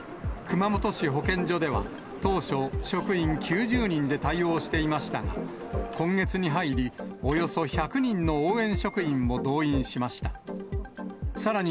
熊本市保健所では、当初、職員９０人で対応していましたが、今月に入り、およそ１００人の応援職員を動員しました。